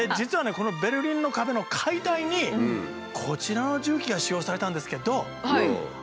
このベルリンの壁の解体にこちらの重機が使用されたんですけど。